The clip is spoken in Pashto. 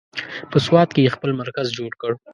په سوات کې یې خپل مرکز جوړ کړ.